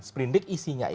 sprendik isinya itu